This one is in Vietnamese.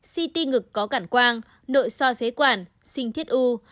ct ngực có cản quang nội xoay phế quản sinh thiết u